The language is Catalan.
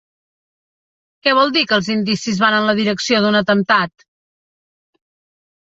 Què vol dir que els indicis van en la direcció d'un atemptat?